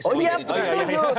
oh iya setuju